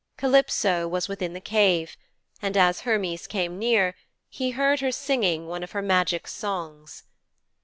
Calypso was within the cave, and as Hermes came near, he heard her singing one of her magic songs.